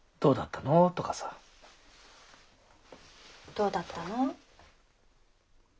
どうだったの？